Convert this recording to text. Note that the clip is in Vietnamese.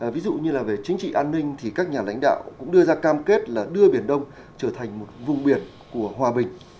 ví dụ như là về chính trị an ninh thì các nhà lãnh đạo cũng đưa ra cam kết là đưa biển đông trở thành một vùng biển của hòa bình